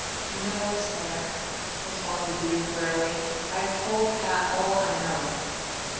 "No, sir," responded the youth wearily. "I've told Pat all I know."